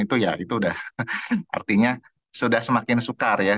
itu ya itu udah artinya sudah semakin sukar ya